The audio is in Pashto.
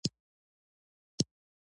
ښه پلورونکی هره تجربه یوه زده کړه ګڼي.